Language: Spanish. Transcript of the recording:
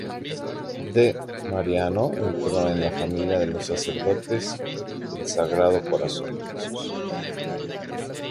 D. Mariano entró en la familia de los Sacerdotes del Sagrado Corazón de Jesús.